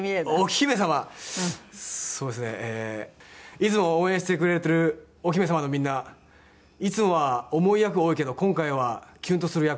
いつも応援してくれてるお姫様のみんないつもは重い役多いけど今回はキュンとする役